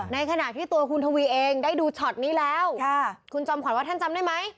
ในขณะที่ตัวคุณทวีเองได้ดูช็อตนี้แล้วคุณจอมขวัญว่าท่านจำได้ไหม